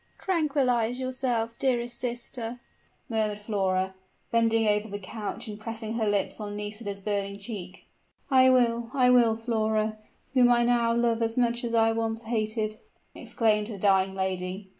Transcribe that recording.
"Tranquilize yourself, dearest sister," murmured Flora, bending over the couch and pressing her lips on Nisida's burning cheek. "I will, I will, Flora, whom I now love as much as I once hated!" exclaimed the dying lady.